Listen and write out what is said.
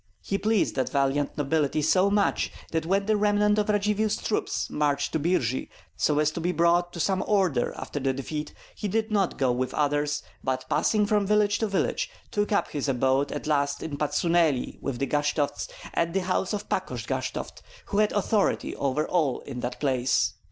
He pleased that valiant nobility so much that when the remnant of Radzivill's troops marched to Birji so as to be brought to some order after the defeat, he did not go with others, but passing from village to village took up his abode at last in Patsuneli with the Gashtovts, at the house of Pakosh Gashtovt, who had authority over all in that place.